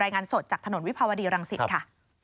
รายงานสดจากทนวิภาวดีรังสิจค่ะ